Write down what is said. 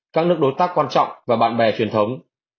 các nước đối tác quan trọng và bạn bè truyền thống